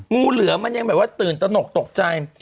งูเหลือมันยังแบบว่าตื่นตนกตกใจ